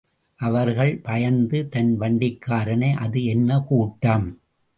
அவர் பயந்து, தன் வண்டிக்காரனை, அது என்ன கூட்டம்?